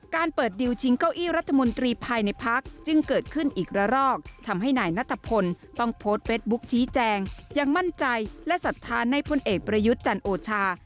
การเปิดดิวชิงเก้าอี้รัฐมนตรีภายในพักจึงเกิดขึ้นอีกละรอกทำให้นายนัทพลต้องโพสต์เฟสบุ๊คชี้แจงยังมั่นใจและศรัทธาในพลเอกประยุทธ์จันโอชา